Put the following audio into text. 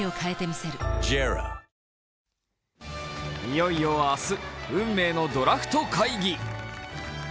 いよいよ明日、運命のドラフト会議。